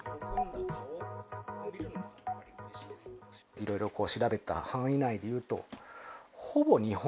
いろいろ調べた範囲内でいうと、ほぼ日本。